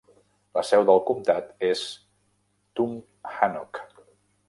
La seu del comtat és Tunkhannock.